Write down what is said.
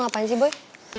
ngapain sih boy